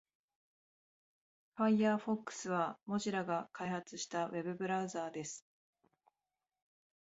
Firefox は Mozilla が開発したウェブブラウザーです。